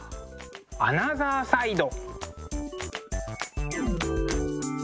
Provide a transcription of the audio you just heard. アナザーサイド。